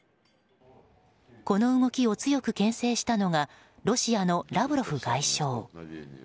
この動きを強く牽制したのがロシアのラブロフ外相。